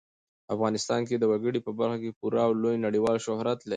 افغانستان د وګړي په برخه کې پوره او لوی نړیوال شهرت لري.